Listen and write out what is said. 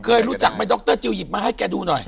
เคยรู้จักไหมดรจิลหยิบมาให้แกดูหน่อย